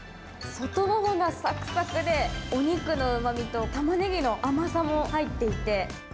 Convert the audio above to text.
外側がさくさくで、お肉のうまみとタマネギの甘さも入っていて。